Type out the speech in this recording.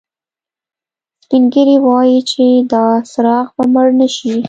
سپین ږیری وایي چې دا څراغ به مړ نه شي